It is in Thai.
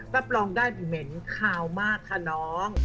รับรองได้เหม็นคาวมากค่ะน้อง